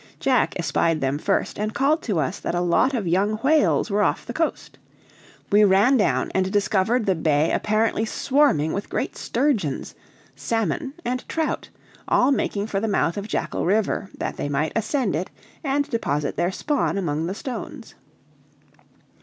Jack espied them first, and called to us that a lot of young whales were off the coast. We ran down and discovered the bay apparently swarming with great sturgeons, salmon, and trout, all making for the mouth of Jackal River, that they might ascend it and deposit their spawn among the stones.